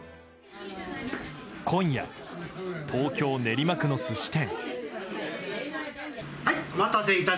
今夜、東京・練馬区の寿司店。